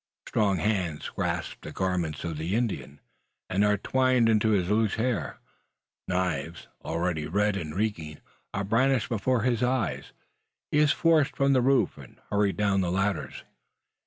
Strong hands grasp the garments of the Indian, and are twined into his loose hair. Knives, already red and reeking, are brandished before his eyes. He is forced from the roof, and hurried down the ladders.